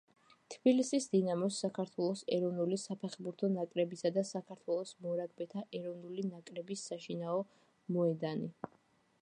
თბილისის „დინამოს“, საქართველოს ეროვნული საფეხბურთო ნაკრებისა და საქართველოს მორაგბეთა ეროვნული ნაკრების საშინაო მოედანი.